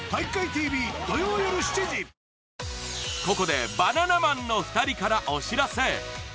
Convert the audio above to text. ここでバナナマンの２人からお知らせ！